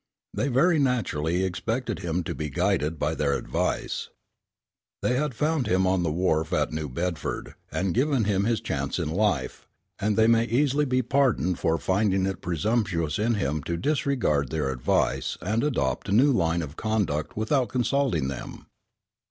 They very naturally expected him to be guided by their advice. They had found him on the wharf at New Bedford, and given him his chance in life; and they may easily be pardoned for finding it presumptuous in him to disregard their advice and adopt a new line of conduct without consulting them.